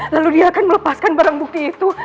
lalu dia akan melepaskan barang bukti itu